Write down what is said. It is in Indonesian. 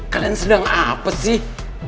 kalian sedang apa sih